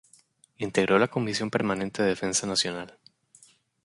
Integró la Comisión Permanente de Defensa Nacional.